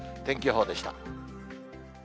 天気予報でした。